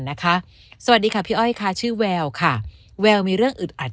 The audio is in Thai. สวัสดีค่ะพี่อ้อยค่ะชื่อแววค่ะแววมีเรื่องอึดอัด